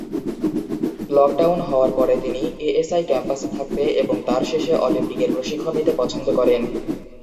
Lockdown হওয়ার পরে তিনি এএসআই ক্যাম্পাসে থাকতে এবং তার শেষ অলিম্পিকের প্রশিক্ষণ নিতে পছন্দ করেন।